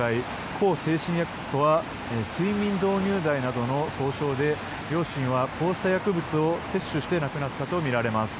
向精神薬とは睡眠導入剤などの総称で、両親はこうした薬物を摂取して亡くなったとみられます。